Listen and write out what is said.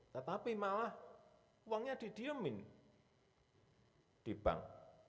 tetapi malah uangnya didiemin di bank